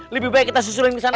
lebih baik kita susulin disana